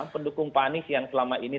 pendukung pak anies yang selama ini